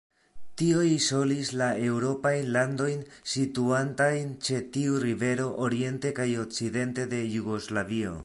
Tio izolis la eŭropajn landojn, situantajn ĉe tiu rivero, oriente kaj okcidente de Jugoslavio.